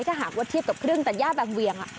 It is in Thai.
ถ้าหากว่าเทียบกับเครื่องตัดย่าแบบเวียง